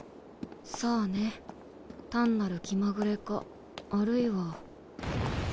さぁね単なる気まぐれかあるいは。